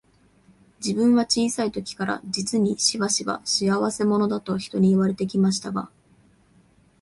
自分は小さい時から、実にしばしば、仕合せ者だと人に言われて来ましたが、